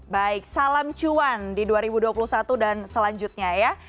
baik salam cuan di dua ribu dua puluh satu dan selanjutnya ya